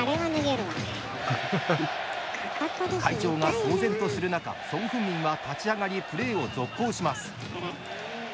会場が騒然とする中ソン・フンミンは立ち上がりプレーを続行します。